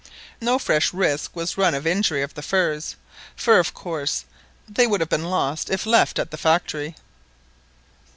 No fresh risk was run of injury of the furs, for of course they would have been lost if left at the factory.